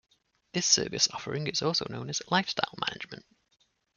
This service offering is also known as lifestyle management.